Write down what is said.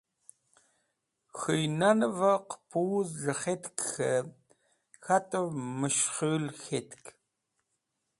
K̃hũy nanvẽ qẽpuz jẽkhet k̃hẽ k̃hatẽv meshkhul k̃hetk.